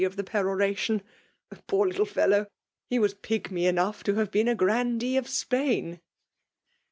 of the peroration. Poor little feHow ! he #as pigmy enough to have been a grandee oC Sfjiain.